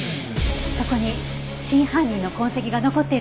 そこに真犯人の痕跡が残っているかもしれません。